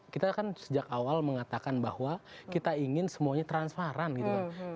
kita kan sejak awal mengatakan bahwa kita ingin semuanya transparan gitu kan